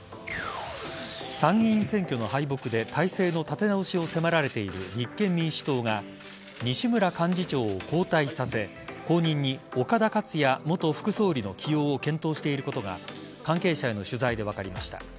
参議院選挙の敗北で体制の立て直しを迫られている立憲民主党が西村幹事長を交代させ後任に岡田克也元副総理の起用を検討していることが関係者への取材で分かりました。